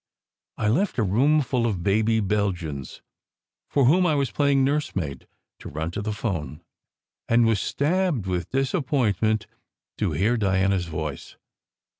I left a roomful of baby Belgians, for whom I was playing nurse maid, to run to the phone, and was stabbed with dis appointment to hear Diana s voice.